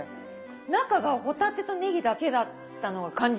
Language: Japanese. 中が帆立てとねぎだけだったのが感じない。